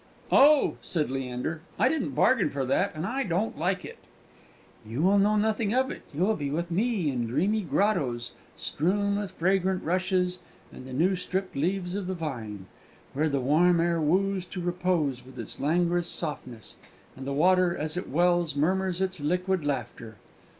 "Oh!" said Leander, "I didn't bargain for that, and I don't like it." "You will know nothing of it; you will be with me, in dreamy grottoes strewn with fragrant rushes and the new stript leaves of the vine, where the warm air woos to repose with its languorous softness, and the water as it wells murmurs its liquid laughter.